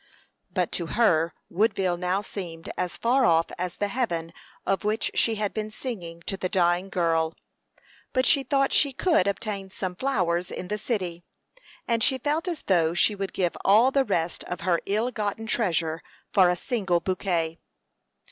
But to her Woodville now seemed as far off as the heaven of which she had been singing to the dying girl; but she thought she could obtain some flowers in the city; and she felt as though she would give all the rest of her ill gotten treasure for a single bouquet.